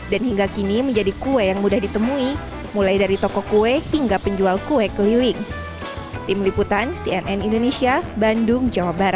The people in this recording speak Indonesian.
dan hingga kini menjadi kue yang mudah ditemui mulai dari toko kue hingga penjual kue keliling